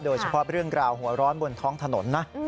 โดยเฉพาะเรื่องราวหัวร้อนบนท้องถนนนะ